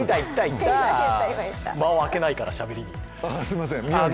間をあけないから、しゃべりに。